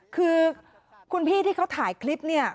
คือคุณพี่ที่เขาถ่ายคลิป